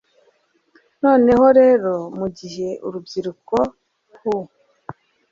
Noneho rero mugihe urubyiruko hue